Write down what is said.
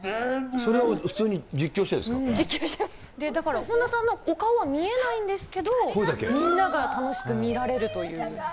それを普通に実況してるんでだから本田さんのお顔は見えないんですけど、みんなが楽しく見られるという。